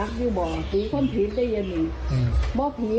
วันนี้พลังวัน๑๒วันอาธิบาล๖๑นเกินยังไม่กลับนี้